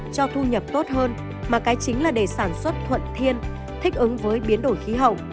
cho thu nhập tốt hơn mà cái chính là để sản xuất thuận thiên thích ứng với biến đổi khí hậu